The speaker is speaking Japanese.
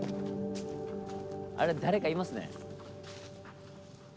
あれ誰かいますね。